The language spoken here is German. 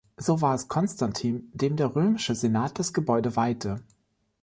So war es Konstantin, dem der römische Senat das Gebäude weihte.